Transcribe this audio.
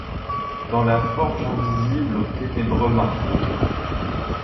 Dans la forge invisible aux ténébreux marteaux